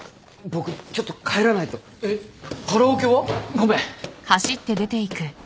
ごめん。